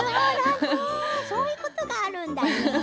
そういうことがあるんだね。